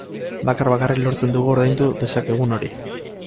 Bakar-bakarrik lortzen dugu ordaindu dezakegun hori.